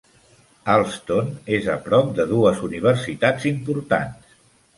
Allston és a prop de dues universitats importants.